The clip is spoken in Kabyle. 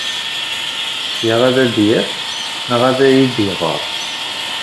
Ya ad d-yas, neɣ ad iyi-d-iɣer.